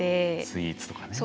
スイーツとかね。